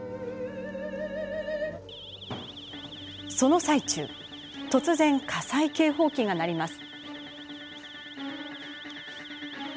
その最中突然、火災警報器が鳴ります。